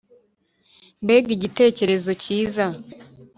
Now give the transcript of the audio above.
mbega igitekerezo cyiza!